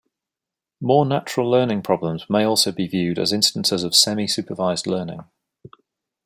More natural learning problems may also be viewed as instances of semi-supervised learning.